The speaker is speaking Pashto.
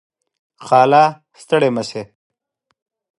خاله . ستړې مشې